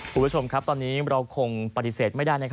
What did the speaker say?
คุณผู้ชมครับตอนนี้เราคงปฏิเสธไม่ได้